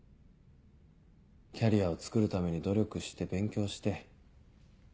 キャリアをつくるために努力して勉強して。